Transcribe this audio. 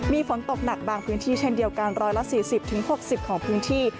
มีฝนตกหนักบางพื้นที่เช่นเดียวกัน๑๔๐๖๐ของพื้นที่